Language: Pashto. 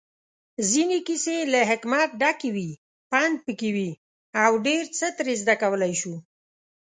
ځينې کيسې له حکمت ډکې وي، پندپکې وي اوډيرڅه ترې زده کولی شو